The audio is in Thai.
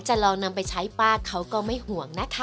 ลองนำไปใช้ป้าเขาก็ไม่ห่วงนะคะ